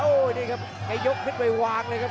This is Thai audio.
โอ้โหนี่ครับแกยกขึ้นไปวางเลยครับ